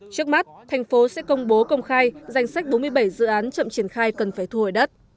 trước mắt thành phố sẽ công bố công khai danh sách bốn mươi bảy dự án chậm triển khai cần phải thu hồi đất